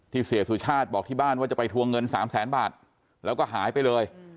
เสียสุชาติบอกที่บ้านว่าจะไปทวงเงิน๓แสนบาทแล้วก็หายไปเลย